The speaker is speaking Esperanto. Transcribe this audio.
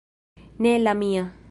Ne la mia...